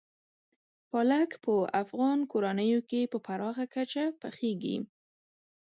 پالک په افغان کورنیو کې په پراخه کچه پخېږي.